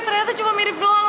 ternyata cuma mirip doang